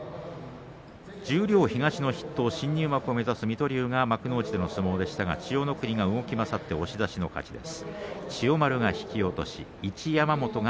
十両東の筆頭新入幕を目指す水戸龍が幕内での相撲でしたが千代の国が動き勝って押し出しの勝ちです。